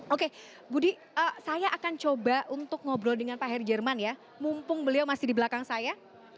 oke budi saya akan coba untuk ngobrol dengan pak heri jerman ya mumpung beliau masih di belakang saya